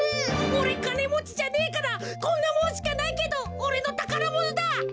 おれかねもちじゃねえからこんなもんしかないけどおれのたからものだ！